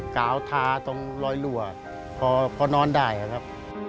กาวทาตรงรอยรั่วพอนอนได้ครับ